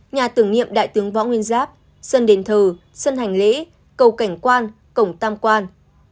nhà tưởng nhiệm đại tướng võ nguyên giáp sơn đền thờ sơn hành lễ cầu cảnh quan cổng tam quan